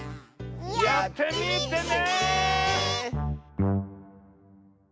やってみてね！